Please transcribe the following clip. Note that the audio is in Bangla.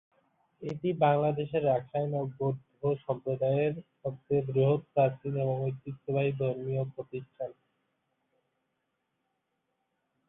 এটি বাংলাদেশের রাখাইন ও বৌদ্ধ সম্প্রদায়ের সবচেয়ে বৃহৎ, প্রাচীন এবং ঐতিহ্যবাহী ধর্মীয় প্রতিষ্ঠান।